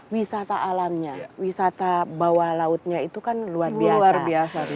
wisata alamnya wisata bawah lautnya itu kan luar biasa